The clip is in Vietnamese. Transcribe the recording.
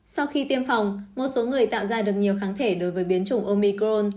sau khi tiêm phòng một số người tạo ra được nhiều kháng thể đối với biến chủng omicron